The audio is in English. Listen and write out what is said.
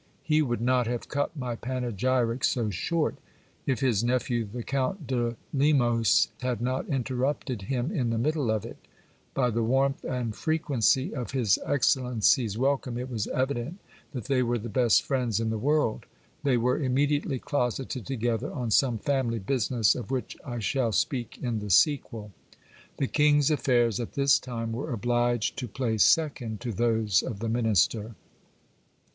He would not have cut my panegyric so short, if his nephew the Count de Lemos had not interrupted him in the middle of it By the warmth and frequency of his excellency's welcome, it was evident that they were the best friends in the world. They were immediately closeted together on some family business, of which I shall speak in the sequeL The kinjps affairs at this time were obliged to play second to those of the minister.